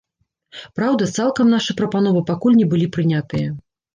Праўда, цалкам нашы прапановы пакуль не былі прынятыя.